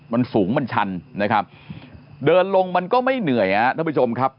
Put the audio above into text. มันสูงมันชันนะครับเดินลงมันก็ไม่เหนื่อยฮะท่านผู้ชมครับ